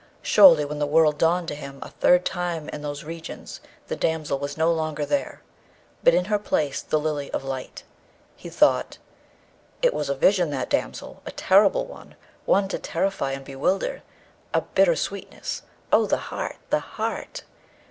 Surely, when the world dawned to him a third time in those regions the damsel was no longer there, but in her place the Lily of Light. He thought, 'It was a vision, that damsel! a terrible one; one to terrify and bewilder! a bitter sweetness! Oh, the heart, the heart!'